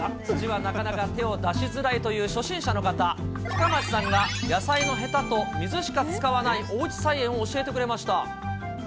土にはなかなか手を出しづらいという初心者の方、深町さんが野菜のへたと水しか使わないおうち菜園を教えてくれました。